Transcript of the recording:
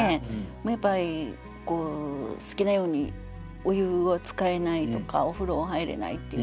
やっぱり好きなようにお湯を使えないとかお風呂入れないっていう